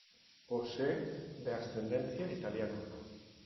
Posee de ascendencia italiana.